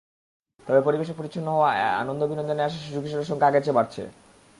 তবে পরিবেশ পরিচ্ছন্ন হওয়ায় আনন্দ-বিনোদনে আসা শিশু-কিশোরের সংখ্যা আগের চেয়ে বাড়ছে।